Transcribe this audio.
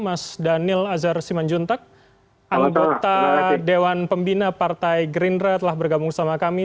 mas daniel azhar simanjuntak anggota dewan pembina partai green red telah bergabung bersama kami